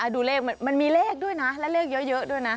ดูเลขมันมีเลขด้วยนะและเลขเยอะด้วยนะ